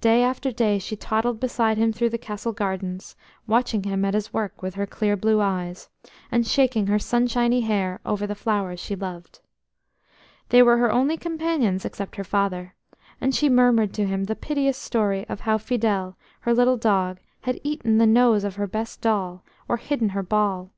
Day after day she toddled beside him through the Castle gardens, watching him at his work with her clear blue eyes, and shaking her sunshiny hair over the flowers she loved. They were her only companions except her father, and she murmured to them the piteous story of how Fidèle, her little dog, had eaten the nose of her best doll, or hidden her ball.